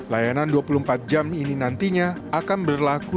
layanan dua puluh empat jam ini nantinya akan berlaku